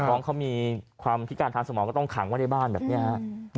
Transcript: น้องเขามีความพิการทางสมองก็ต้องขังไว้ในบ้านแบบนี้ฮะ